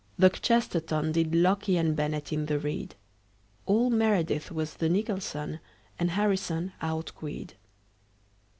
The kchesterton Did locke and bennett in the reed. All meredith was the nicholson, And harrison outqueed.